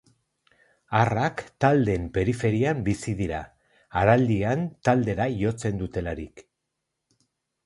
Arrak taldeen periferian bizi dira, araldian taldera jotzen dutelarik.